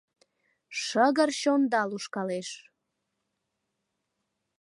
Шыгыр чонда лушкалеш.